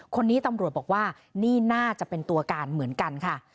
คนนี้ตำรวจบอกว่านี่น่าจะเป็นตัวการเหมือนกันค่ะ